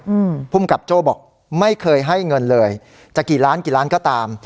อืมภูมิกับโจ้บอกไม่เคยให้เงินเลยจะกี่ล้านกี่ล้านก็ตาม